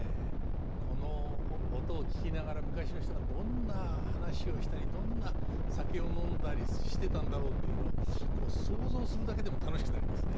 この音を聴きながら昔の人がどんな話をしたりどんな酒を飲んだりしてたんだろうというのを想像するだけでも楽しくなりますね。